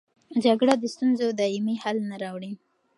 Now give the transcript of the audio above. جګړه د ستونزو دایمي حل نه راوړي.